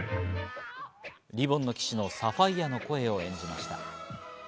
『リボンの騎士』のサファイアの声を演じました。